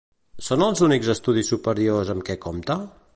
Són els únics estudis superiors amb què compta?